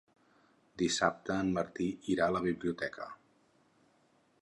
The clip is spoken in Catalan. Dissabte en Martí irà a la biblioteca.